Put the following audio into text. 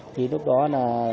thì lúc đó là